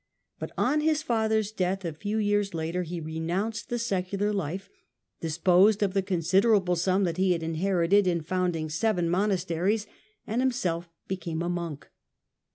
But on his I father's death a few years later, he renounced the secu ' lar life, disposed of the considerable sum that he had inherited in founding seven monasteries, and himself became a monk.